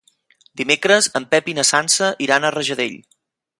Dimecres en Pep i na Sança iran a Rajadell.